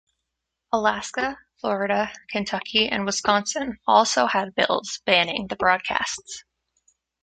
Alaska, Florida, Kentucky, and Wisconsin also had bills banning the broadcasts.